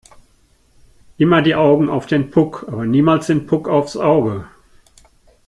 Immer die Augen auf den Puck aber niemals den Puck aufs Auge!